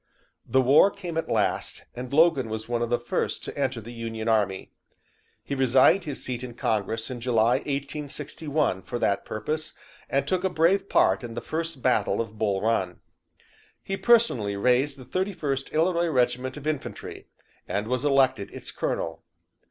The war came at last, and Logan was one of the first to enter the Union army. He resigned his seat in Congress in July, 1861, for that purpose, and took a brave part in the first battle of Bull Run. He personally raised the Thirty first Illinois Regiment of Infantry, and was elected its colonel.